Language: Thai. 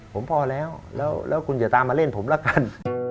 ผมพอแล้วแล้วคุณอย่าตามมาเล่นผมละกัน